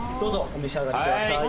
お召し上がりください。